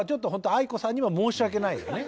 ａｉｋｏさんには申し訳ないよね。